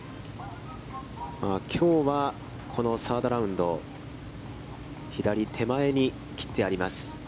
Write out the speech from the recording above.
きょうはこのサードラウンド、左手前に切ってあります。